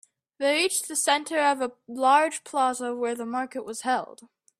They reached the center of a large plaza where the market was held.